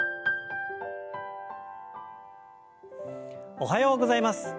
おはようございます。